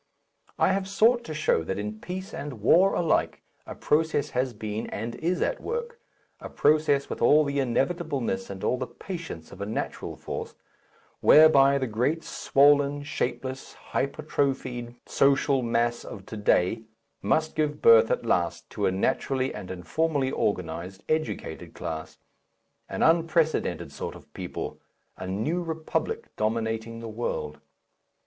I have sought to show that in peace and war alike a process has been and is at work, a process with all the inevitableness and all the patience of a natural force, whereby the great swollen, shapeless, hypertrophied social mass of to day must give birth at last to a naturally and informally organized, educated class, an unprecedented sort of people, a New Republic dominating the world.